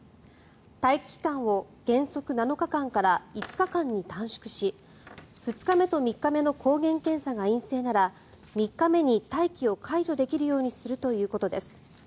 待機期間を原則７日間から５日間に短縮し２日目と３日目の抗原検査が陰性なら３日目に待機を解除できるようにするということです。